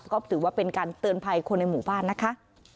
ก็ถือว่าเป็นการเตือนภัยคนในหมู่บ้านนะคะ